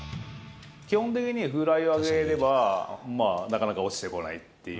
基本的にはフライ上げれば、まあ、なかなか落ちてこないっていう。